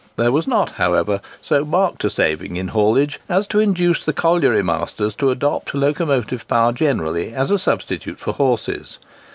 There was not, however, so marked a saving in haulage as to induce the colliery masters to adopt locomotive power generally as a substitute for horses.